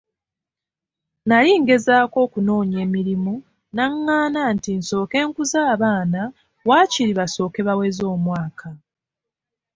Nali ngezaako okunoonya emirimu n'angaana nti nsooke nkuze abaana waakiri basooke baweze omwaka.